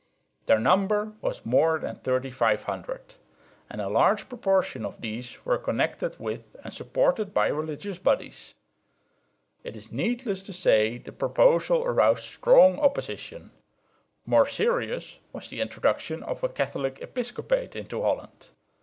Their number was more than 3500; and a large proportion of these were connected with and supported by religious bodies. It is needless to say the proposal aroused strong opposition. More serious was the introduction of a Catholic episcopate into Holland.